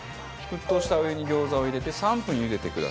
沸騰したお湯に餃子を入れて３分茹でてください。